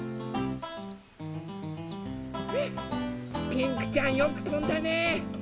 ピンクちゃんよくとんだね。